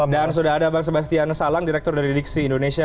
dan sudah ada bang sebastian salang direktur dari diksi indonesia